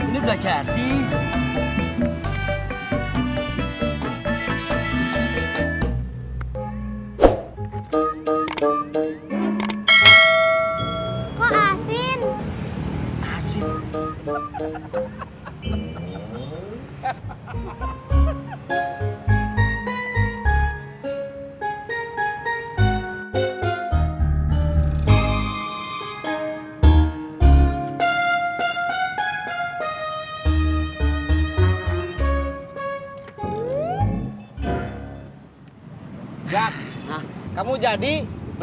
lama banget sih